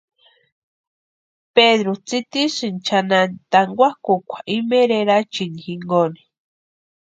Pedru tsitisïnti chʼanani tankwakʼukwa imeeri erachini jinkoni.